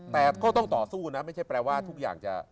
แต่ก็ต้องต่อสู้นะไม่ใช่แปลว่าทุกอย่างจะ